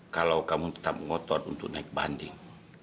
kalau kamu tetap ngotot untuk naik banding